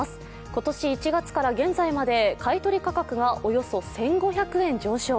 今年１月から現在まで買い取り価格がおよそ１５００円上昇。